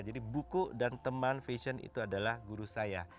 jadi buku dan teman fashion itu adalah guru saya